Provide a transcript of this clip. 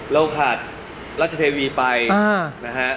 เราขาดรัชเทวีไปนะฮะ